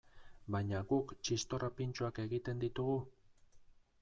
Baina guk txistorra pintxoak egiten ditugu?